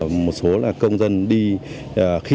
một số là công dân đi